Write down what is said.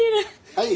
はい。